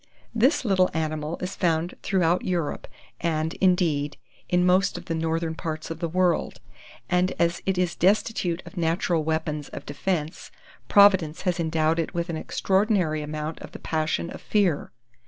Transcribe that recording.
This little animal is found throughout Europe, and, indeed, in most of the northern parts of the world; and as it is destitute of natural weapons of defence, Providence has endowed it with an extraordinary amount of the passion of fear.